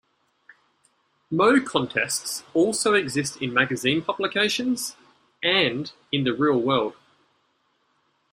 Moe contests also exist in magazine publications, and in the real world.